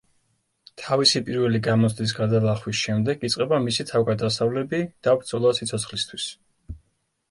თავისი პირველი გამოცდის გადალახვის შემდეგ იწყება მისი თავგადასავლები და ბრძოლა სიცოცხლისთვის.